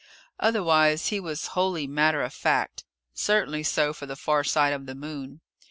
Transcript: Otherwise, he was wholly matter of fact certainly so for the far side of the Moon.